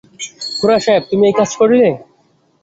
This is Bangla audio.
খুড়াসাহেব, তুমি এই কাজ করিলে!